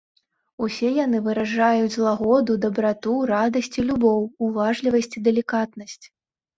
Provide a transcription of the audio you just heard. Усе яны выражаюць лагоду, дабрату, радасць і любоў, уважлівасць і далікатнасць.